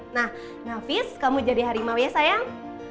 nah nafis kamu jadi harimau ya sayang